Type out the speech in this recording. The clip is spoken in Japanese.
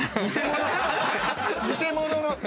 偽物の！